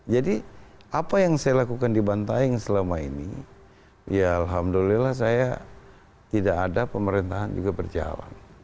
jadi apa yang saya lakukan di bantaing selama ini ya alhamdulillah saya tidak ada pemerintahan juga berjalan